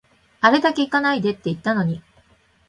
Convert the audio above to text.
あれだけ行かないでって言ったのに